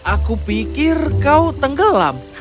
aku pikir kau tenggelam